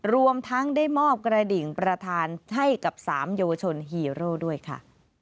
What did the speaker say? รวมทั้งได้มอบกระดิ่งประธานให้กับ๓เยาวชนฮีโร่ด้วยค่ะ